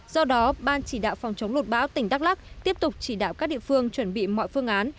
do đó ban chỉ đạo phòng chống lụt bão tỉnh đắk lắc tiếp tục chỉ đạo các địa phương chuẩn bị mọi phương án